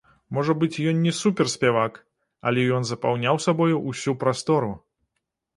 Можа быць, ён не суперспявак, але ён запаўняў сабой усю прастору!